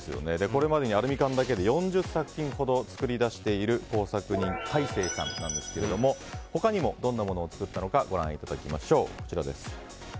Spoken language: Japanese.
これまでにアルミ缶だけで４０作品ほど作り出している工作人カイセイさんですが他にもどんなものを作ったのかご覧いただきましょう。